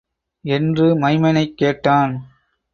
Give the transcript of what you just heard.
என்று மைமனைக் கேட்டான்.